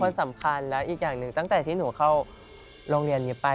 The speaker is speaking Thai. มันสำคัญแล้วอีกอย่างหนึ่งตั้งแต่ที่หนูเข้าโรงเรียนนี้ไป